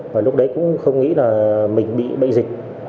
và lúc đấy cũng không nghĩ là mình bị bệnh dịch